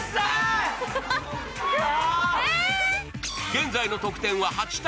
現在の得点は８−２。